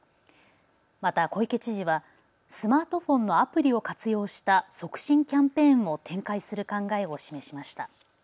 また小池知事はスマートフォンのアプリを活用した促進キャンペーンを展開する考えを示しました。